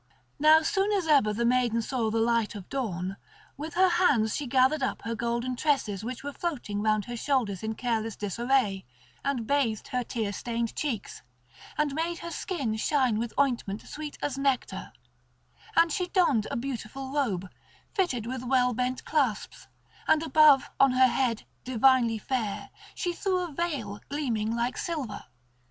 Now soon as ever the maiden saw the light of dawn, with her hands she gathered up her golden tresses which were floating round her shoulders in careless disarray, and bathed her tear stained cheeks, and made her skin shine with ointment sweet as nectar; and she donned a beautiful robe, fitted with well bent clasps, and above on her head, divinely fair, she threw a veil gleaming like silver.